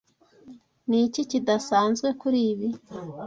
Ni iki kidasanzwe kuri ibi?